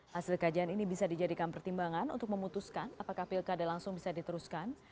hasil kajian ini bisa dijadikan pertimbangan untuk memutuskan apakah pilkada langsung bisa diteruskan